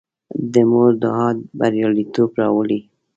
د مور دعا بریالیتوب راولي.